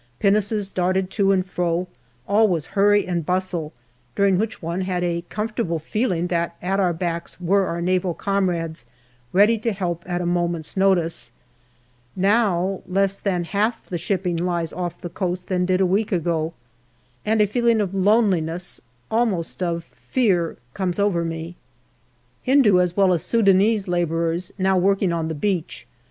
pinnaces darted to and fro, all was hurry and bustle, during which one had a comfortable feeling that at our backs were our Naval comrades, ready to help at a moment's notice ; now, less than half the shipping lies off the coast than did a week ago, and a feeling of loneliness, almost of fear, comes over me. MAY toi Hindu as well as Sudanese labourer? Vn*>w working Soil the beach.